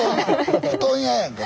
布団屋やんか。